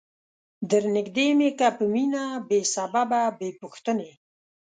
در نیژدې می که په مینه بې سببه بې پوښتنی